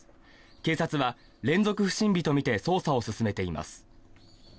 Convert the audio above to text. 警察は連続不審火とみて捜査を進めています。